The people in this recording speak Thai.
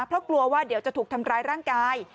เพราะกลัวว่าเดี๋ยวจะถูกทำร้ายร่างกาย